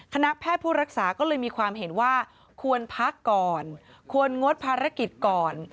คณะแพทย์ผู้รักษาก็เลยมีความเห็นว่าควรพักก่อนควรงดภารกิจก่อน